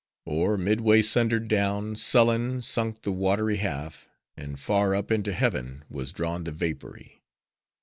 Or midway sundered—down, sullen, sunk the watery half; and far up into heaven, was drawn the vapory.